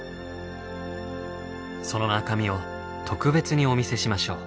その中身を特別にお見せしましょう。